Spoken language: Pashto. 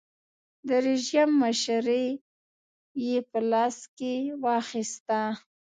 د رژیم مشري یې په لاس کې واخیسته.